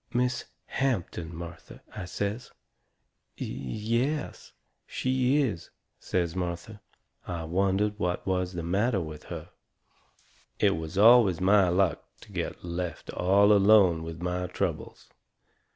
"Miss Hampton, Martha," I says. "Y y y es, s sh she is," says Martha. I wondered what was the matter with her. It is always my luck to get left all alone with my troubles.